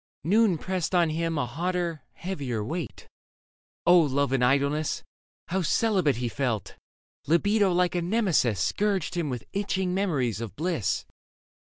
Noon pressed on him a hotter, heavier weight. O Love in Idleness ! how celibate He felt ! Libido like a nemesis Scourged him with itching memories of bliss.